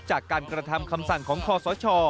จากการกระทำคำสั่งของคอสช